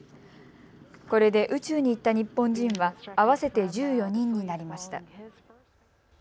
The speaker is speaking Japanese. これで宇宙に行った日本人は合わせて１４人になりました。